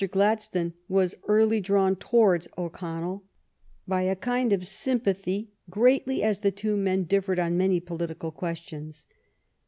Gladstone was early drawn towards O'Connell by a kind of sympathy, greatly as the two men differed on many political ques tions.